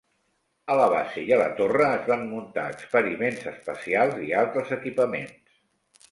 A la base i a la torre es van muntar experiments espacials i altres equipaments.